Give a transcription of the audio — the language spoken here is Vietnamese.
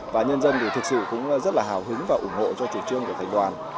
và nhân dân thì thực sự cũng rất là hào hứng và ủng hộ cho chủ trương của thành đoàn